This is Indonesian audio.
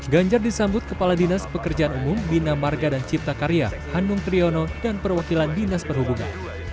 ganjar disambut kepala dinas pekerjaan umum bina marga dan cipta karya hanung triyono dan perwakilan dinas perhubungan